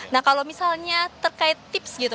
nah kalau misalnya terkait tips gitu